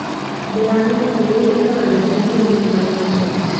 Veamos que es una relación de equivalencia.